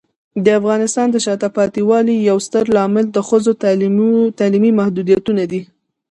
د افغانستان د شاته پاتې والي یو ستر عامل د ښځو تعلیمي محدودیتونه دي.